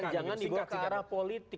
dan jangan dibawa ke arah politik